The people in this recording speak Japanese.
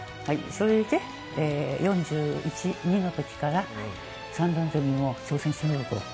それで４１４２のときから三段跳びも挑戦してみようと。